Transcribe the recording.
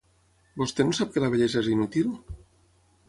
¿Vostè no sap que la bellesa és inútil?